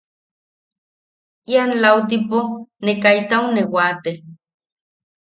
Ian lautipo ne kaitau ne waate.